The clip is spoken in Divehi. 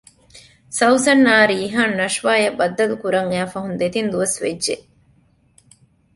ސައުސަން އާ ރީހާން ނަޝްވާ އަށް ބައްދަލުކުރަން އައި ފަހުން ދެތިން ދުވަސް ވެއްޖެ